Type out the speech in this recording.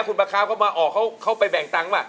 คุณประคาวก็มาออกเขาไปแบ่งตังค์ป่ะ